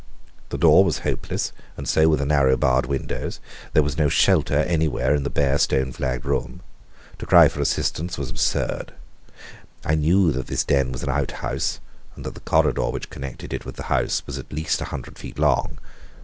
The door was hopeless, and so were the narrow, barred windows. There was no shelter anywhere in the bare, stone flagged room. To cry for assistance was absurd. I knew that this den was an outhouse, and that the corridor which connected it with the house was at least a hundred feet long.